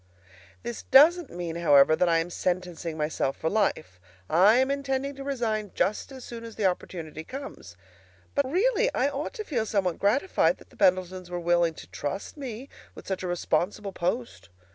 This doesn't mean, however, that I am sentencing myself for life; I am intending to resign just as soon as the opportunity comes. But really I ought to feel somewhat gratified that the Pendletons were willing to trust me with such a responsible post.